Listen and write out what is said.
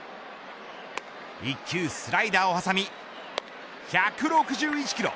１球スライダーを挟み１６１キロ。